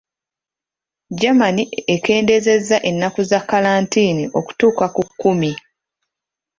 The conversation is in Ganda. Germany ekendeezezza ennaku za kalantiini okutuuka ku kkumi.